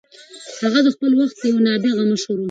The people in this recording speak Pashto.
هغه د خپل وخت یو نابغه مشر و.